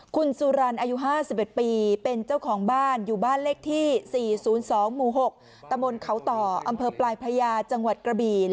คุณสุรรณอายุ๕๑ปีเป็นเจ้าของบ้านอยู่บ้านเลขที่๔๐๒หมู่๖ตะมนต์เขาต่ออำเภอปลายพระยาจังหวัดกระบี่